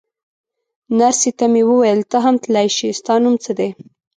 نرسې ته مې وویل: ته هم تلای شې، ستا نوم څه دی؟